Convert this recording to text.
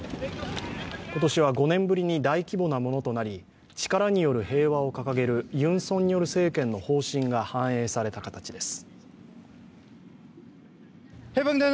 今年は５年ぶりに大規模なものとなり力による平和を掲げるユン・ソンニョル政権の方針が反映された形です。